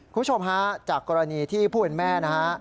คุณผู้ชมฮะจากกรณีที่ผู้เป็นแม่นะฮะ